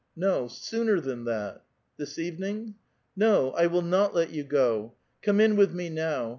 " No, sooner than that !"" This evening. » "No, I will not let you go! Come in with me now.